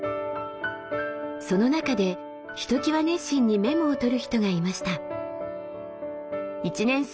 その中でひときわ熱心にメモを取る人がいました。